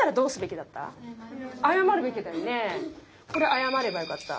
謝ればよかった。